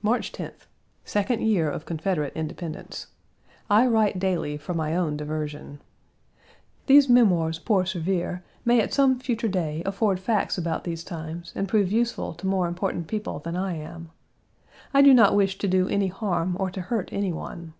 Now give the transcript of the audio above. March 10th. Second year of Confederate independence. I write daily for my own diversion. These mémoires pour servir may at some future day afford facts about these times and prove useful to more important people than I am. I do not wish to do any harm or to hurt any one.